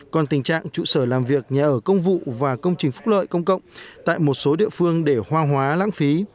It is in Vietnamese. còn tình trạng trụ sở làm việc nhà ở công vụ và công trình phúc lợi công cộng tại một số địa phương để hoang hóa lãng phí